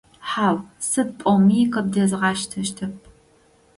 Хьау, сыд пӏоми къыбдезгъэштэщтэп.